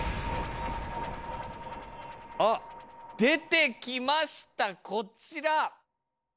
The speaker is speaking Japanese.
あっ出てきましたこちら。